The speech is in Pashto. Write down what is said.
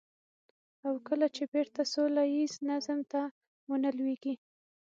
او کله چې بېرته سوله ييز نظم ته ونه لوېږي.